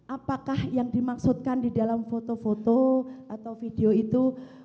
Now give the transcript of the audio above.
apakah yang dimaksudkan di dalam foto foto atau video itu